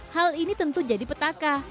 hal ini tentu jadi petaka